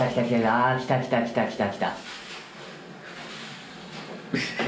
あぁ、来た来た来た来た。